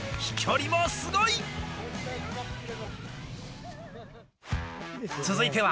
飛距離もすごい。